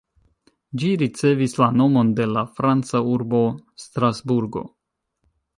Ĝi ricevis la nomon de la franca urbo Strasburgo.